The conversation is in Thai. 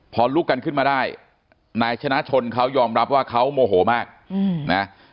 พอลุกกันขึ้นมาได้นายชนะชนเขายอมรับว่าเขาโมโหมากนะ